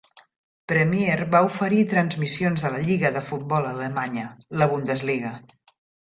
Premiere va oferir transmissions de la Lliga de Futbol alemanya, la Bundesliga.